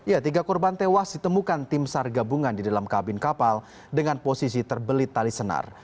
ya tiga korban tewas ditemukan tim sar gabungan di dalam kabin kapal dengan posisi terbelit tali senar